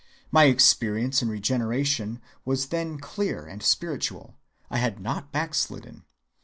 My experience in regeneration was then clear and spiritual, and I had not backslidden.